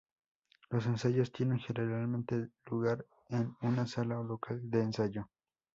Los ensayos tienen generalmente lugar en una sala o local de ensayo.